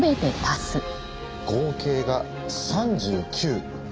合計が３９。